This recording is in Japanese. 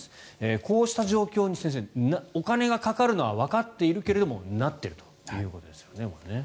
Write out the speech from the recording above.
こうした状況にお金がかかるのはわかっているけどなっているということですよね。